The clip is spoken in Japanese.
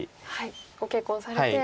ご結婚されて。